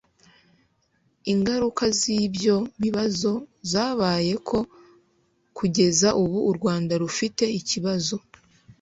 ingaruka z'ibyo bibazo zabaye ko kugeza ubu u rwanda rufite ikibazo